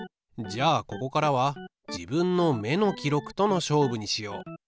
じゃあここからは自分の目の記録との勝負にしよう。